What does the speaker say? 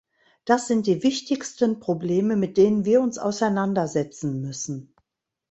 Das sind die wichtigsten Probleme, mit denen wir uns auseinander setzen müssen.